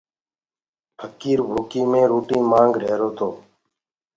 ڦڪير ڀوڪي مي روٽيٚ مآنگ رهيرو تو۔